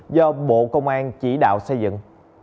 do bộ công an chỉ đạo xây dựng